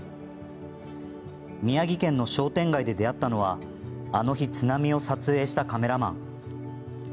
宮城県の商店街で出会ったのはあの日、津波を撮影したカメラマン。